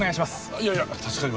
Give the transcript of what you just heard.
いやいや助かります。